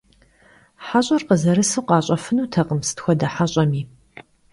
Heş'er khızerısu khaş'efınutekhım sıt xuede heş'emi.